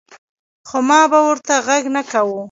خو ما به ورته غږ نۀ کوۀ ـ